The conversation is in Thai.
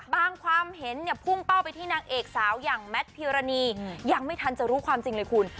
ความเห็นเนี่ยพุ่งเป้าไปที่นางเอกสาวอย่างแมทพิวรณียังไม่ทันจะรู้ความจริงเลยคุณ